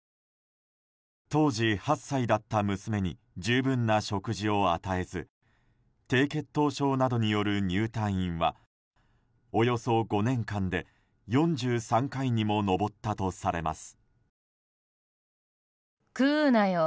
当時８歳だった娘に十分な食事を与えず低血糖症などによる入退院はおよそ５年間で４３回にも上ったとされます。